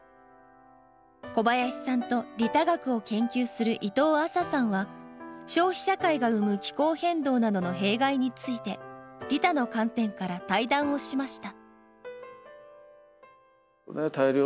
小林さんと利他学を研究する伊藤亜紗さんは消費社会が生む気候変動などの弊害について利他の観点から対談をしました。